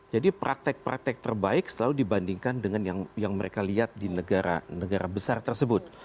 jadi praktek praktek terbaik selalu dibandingkan dengan yang mereka lihat di negara negara besar tersebut